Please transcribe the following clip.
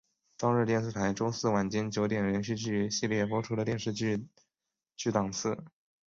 朝日电视台周四晚间九点连续剧系列播出的电视连续剧档次。